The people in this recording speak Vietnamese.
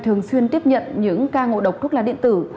thường xuyên tiếp nhận những ca ngộ độc thuốc lá điện tử